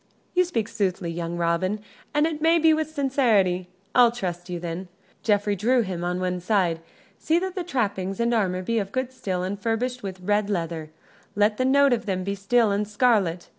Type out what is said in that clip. "You speak soothly, young Robin, and it may be with sincerity. I'll trust you then." Geoffrey drew him on one side. "See that the trappings and armor be of good steel and furbished with red leather: let the note of them be steel and scarlet.